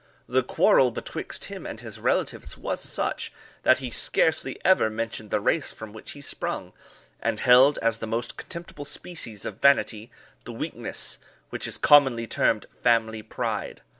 The quarrel betwixt him and his relatives was such, that he scarcely ever mentioned the race from which he sprung, and held as the most contemptible species of vanity, the weakness which is commonly termed family pride.